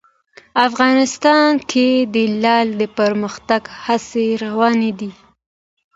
افغانستان کې د لعل د پرمختګ هڅې روانې دي.